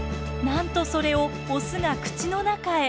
なんとそれをオスが口の中へ。